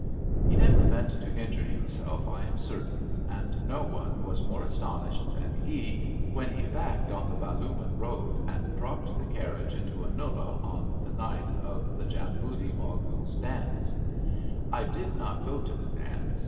He never meant to injure himself, I am certain, and no one was more astonished than he when he backed on the Balumon road, and dropped the carriage into a nullah on the night of the Jama bundi Moguls* dance. I did not go to the dance.